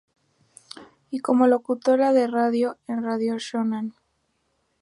Y como locutora de radio en "Radio Shonan".